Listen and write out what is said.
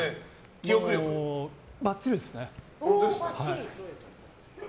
ばっちりですね。